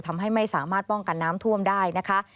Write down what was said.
ทำให้ไม่สามารถป้องกันน้ำท่วมได้นะคะ